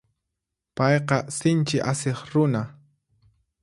Payqa sinchi asiq runa.